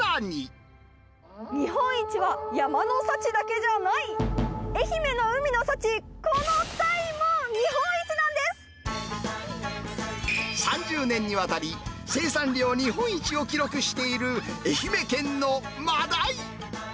日本一は山の幸だけじゃない、愛媛の海の幸、３０年にわたり、生産量日本一を記録している愛媛県のマダイ。